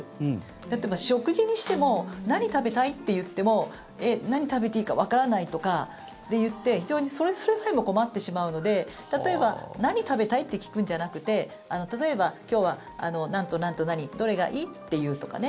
例えば、食事にしても何食べたい？って言ってもえっ、何食べていいかわからないとかって言って非常にそれさえも困ってしまうので例えば、何食べたい？って聞くんじゃなくて例えば、今日は何と何と何どれがいい？って言うとかね